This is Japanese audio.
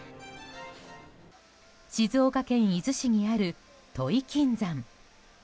静岡県伊豆市にある土肥金山。